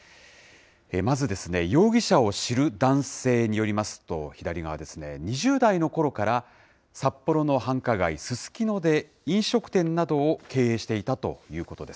まず、容疑者を知る男性によりますと、左側ですね、２０代のころから札幌の繁華街、ススキノで飲食店などを経営していたということです。